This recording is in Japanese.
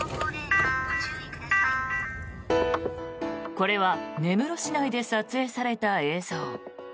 これは、根室市内で撮影された映像。